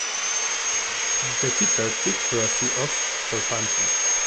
The teacher ticked Rosie off for punching.